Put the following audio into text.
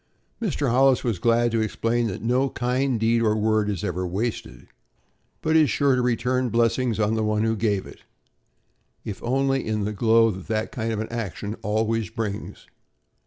Mr. Hollis was glad to explain that no kind deed or word is ever wasted, but is sure to return blessings on the one who gave it, if only in the glow that a kind action always brings.